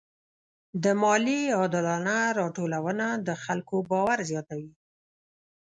د مالیې عادلانه راټولونه د خلکو باور زیاتوي.